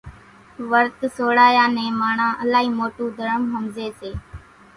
ورت سوڙايا نين ماڻۿان الائي موٽون درم ۿمزي سي۔